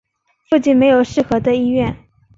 附近没有适合的医院